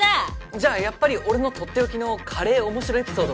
じゃあやっぱり俺のとっておきのカレー面白エピソードを。